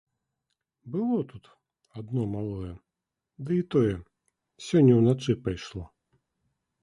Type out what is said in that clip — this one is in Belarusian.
Было тут адно малое, ды і тое сёння ўначы пайшло.